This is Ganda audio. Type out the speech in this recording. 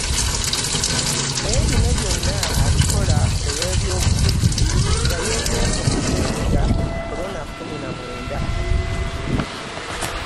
Naye bino byonna abakola olw’ebyobufuzi nga yeekwese mu ssennyiga korona kkumi na mwenda.